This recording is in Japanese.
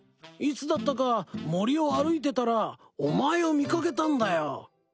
いつだったか森を歩いてたらお前を見掛けたんだよ。